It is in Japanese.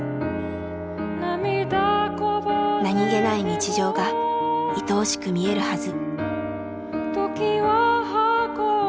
何気ない日常がいとおしく見えるはず。